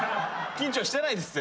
緊張してないです